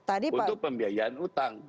untuk pembiayaan utang